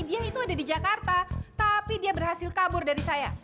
dia itu ada di jakarta tapi dia berhasil kabur dari saya